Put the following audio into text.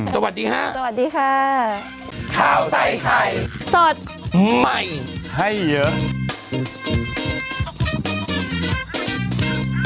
สวัสดีค่ะ